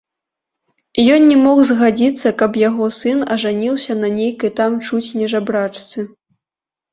Ён не мог згадзіцца, каб яго сын ажаніўся на нейкай там чуць не жабрачцы.